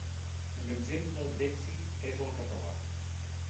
Un exemple d'èxit és el català.